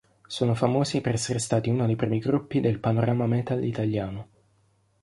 Sono famosi per essere stati uno dei primi gruppi del panorama metal italiano.